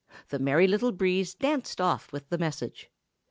The Merry Little Breeze danced off with the message.